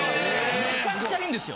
めちゃくちゃいいんですよ。